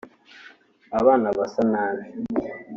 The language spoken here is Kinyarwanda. abana basa nabi